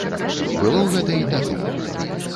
Было гэта і тады.